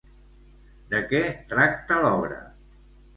De què tracta l'obra?